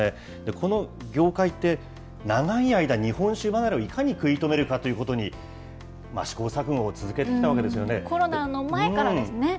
この業界って、長い間、日本酒離れをいかに食い止めるかということに試行錯誤を続けてきコロナの前からですね。